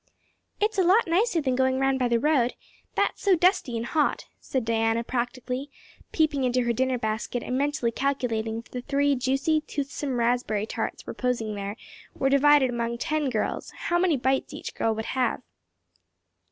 "It's a lot nicer than going round by the road; that is so dusty and hot," said Diana practically, peeping into her dinner basket and mentally calculating if the three juicy, toothsome, raspberry tarts reposing there were divided among ten girls how many bites each girl would have.